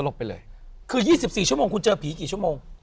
ไปเลยคือ๒๔ชั่วโมงคุณเจอผีกี่ชั่วโมง